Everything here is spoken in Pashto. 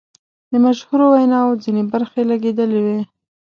د مشهورو ویناوو ځینې برخې لګیدلې وې.